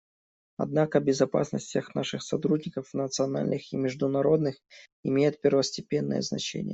Однако безопасность всех наших сотрудников, национальных и международных, имеет первостепенное значение.